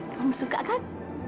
kamu suka kan